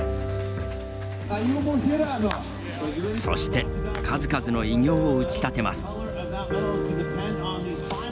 そして数々の偉業を打ち立てます。